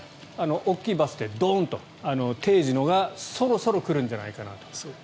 大きいバスでドーンとそろそろ来るんじゃないかなと。